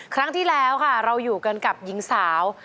ครั้งที่แล้วค่ะเราอยู่กันกับหญิงสาว